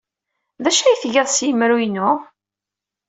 D acu ay tgiḍ s yemru-inu?